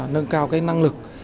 nâng cao năng lực